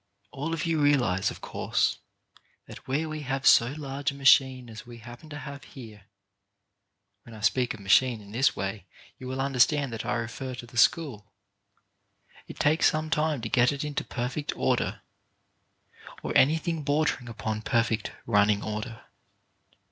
All of you realize, of course, that where we have so large a machine as we happen to have here — when I speak of machine in this way you will understand that I refer to the school — it takes some time to get it into perfect order, or anything bordering upon perfect running order.